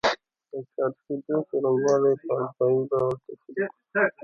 د چارج کېدو څرنګوالی په القايي ډول تشریح کړو.